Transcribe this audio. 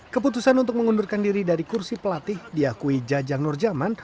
keputusan untuk mengundurkan diri dari kursi pelatih diakui jajang nurjaman